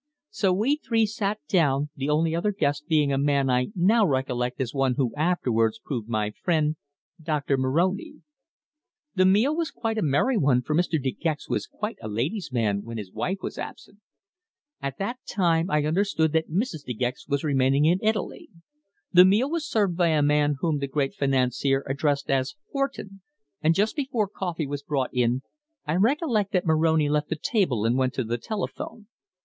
So we three sat down, the only other guest being a man I now recollect as one who afterwards proved my friend, Doctor Moroni. "The meal was quite a merry one for Mr. De Gex was quite a lady's man when his wife was absent. At that time I understood that Mrs. De Gex was remaining in Italy. The meal was served by a man whom the great financier addressed as Horton, and just before coffee was brought in I recollect that Moroni left the table and went to the telephone.